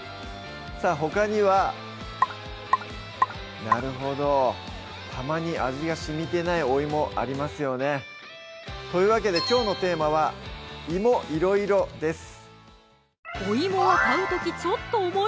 さぁほかにはなるほどたまに味がしみてないお芋ありますよねというわけできょうのテーマは「芋いろいろ」です